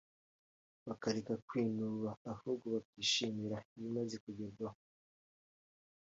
bakareka kwinuba ahubwo bakishimira ibimaze kugerwaho